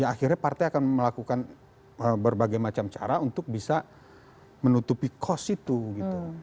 akhirnya partai akan melakukan berbagai macam cara untuk bisa menutupi cost itu gitu